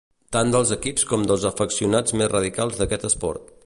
Tant dels equips com dels afeccionats més radicals d'aquest esport.